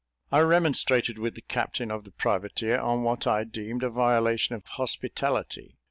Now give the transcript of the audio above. I remonstrated with the captain of the privateer, on what I deemed a violation of hospitality.